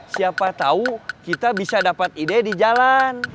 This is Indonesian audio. siapa tau kita bisa dapet ide di jalan